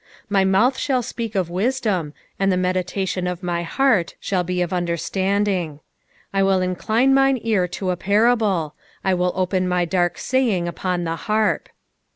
3 My mouth shall speak of wisdom ; and the meditation of my heart shall be of understanding. 4 I will incline mine ear to a parable : I will open my dark saying upon the harp.